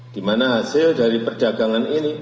di mana hasil dari perdagangan ini